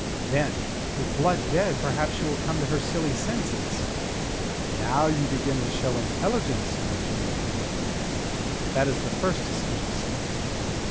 "Then with Blood dead, perhaps she will come to her silly senses." "Now you begin to show intelligence," Lord Julian commended him. "That is the first essential step."